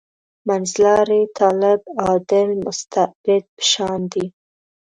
منځلاری طالب «عادل مستبد» په شان دی.